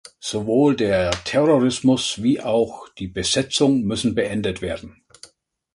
Sowohl der Terrorismus wie auch die Besetzung müssen beendet werden.